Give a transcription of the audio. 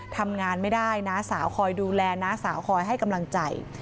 ทำงานไม่ได้น้าสาวคอยดูแลน้าสาวคอยให้กำลังใจ